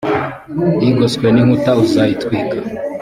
igoswe n inkuta uzayitwika